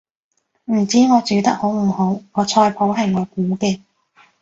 唔知我煮得好唔好，個菜譜係我估嘅